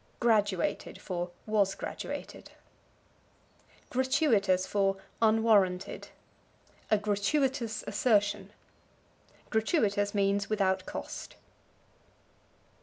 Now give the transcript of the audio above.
Graduated for Was Graduated. Gratuitous for Unwarranted. "A gratuitous assertion." Gratuitous means without cost.